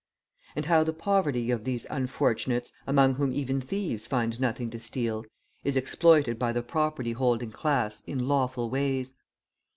And how the poverty of these unfortunates, among whom even thieves find nothing to steal, is exploited by the property holding class in lawful ways!